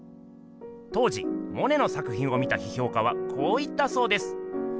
当時モネの作品を見た批評家はこう言ったそうです。